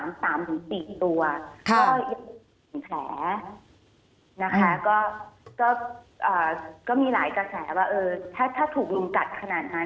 ก็อยากมีแผลก็มีหลายกระแสว่าถ้าถูกลุ่มกัดขนาดนั้น